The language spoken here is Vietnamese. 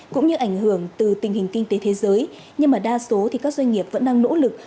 cũng như ảnh hưởng từ tình hình kinh tế thế giới nhưng mà đa số thì các doanh nghiệp vẫn đang nỗ lực